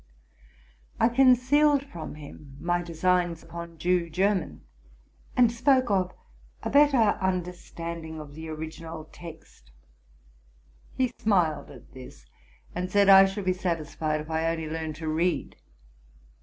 I concealed from him my designs upon Jew German, and spoke of a better understa anding of the original text. He smiled at this, and said I should be satisfied if I only learned to read.